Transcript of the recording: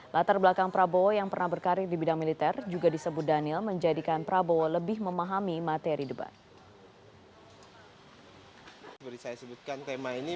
latar belakang prabowo yang pernah berkarir di bidang militer juga disebut daniel menjadikan prabowo lebih memahami materi debat